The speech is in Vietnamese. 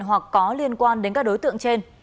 hoặc có liên quan đến các đối tượng trên